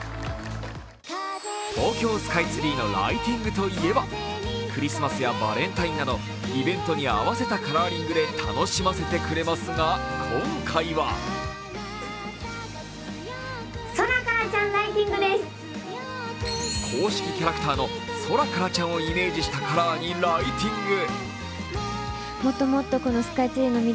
東京スカイツリーのライティングといえばクリスマスやバレンタインなどイベントに合わせたカラーリングで楽しませてくれますが、今回は公式キャラクターのソラカラちゃんをイメージしたカラーにライティング。